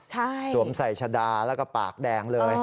ใช่สวมใส่ชะดาแล้วก็ปากแดงเลย